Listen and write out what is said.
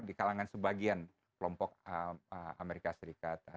di kalangan sebagian kelompok amerika serikat